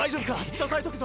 支えとくぞ。